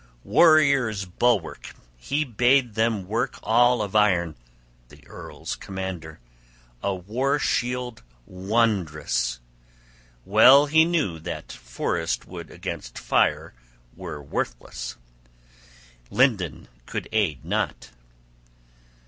Warriors' bulwark, he bade them work all of iron the earl's commander a war shield wondrous: well he knew that forest wood against fire were worthless, linden could aid not.